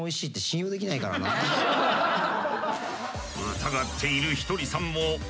疑っているひとりさんもうん！